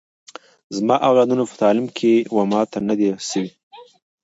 زما اولادونه په تعلیم کي و ماته نه دي سوي